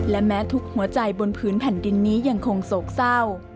และแม้ทุกหัวใจบนพื้นแผ่นดินนี้ยังคงโศกเศร้า